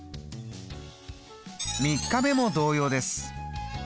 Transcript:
３日目も同様です。